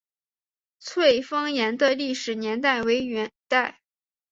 翠峰岩的历史年代为元代。